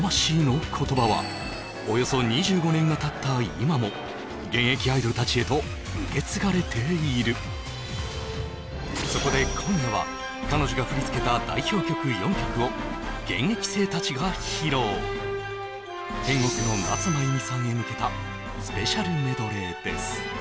およそ２５年がたった今も現役アイドルたちへと受け継がれているそこで今夜は彼女が振り付けた代表曲４曲を現役生たちが披露天国の夏まゆみさんへ向けたスペシャルメドレーです